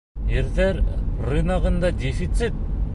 Ирҙәр рыногында дефицит!